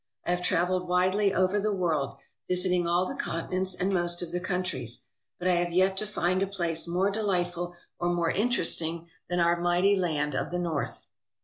I have travelled widely over the world, visiting all the continents and most of the countries, but I have yet to find a place more delightful or more interesting than our mighty land of the North.